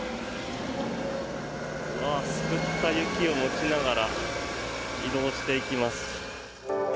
すくった雪を持ちながら移動していきます。